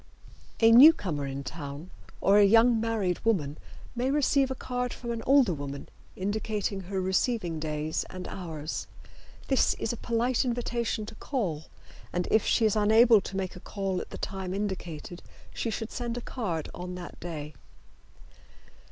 A newcomer in town or a young married woman may receive a card from an older woman indicating her receiving days and hours. This is a polite invitation to call, and if she is unable to make a call at the time indicated she should send a card on that day.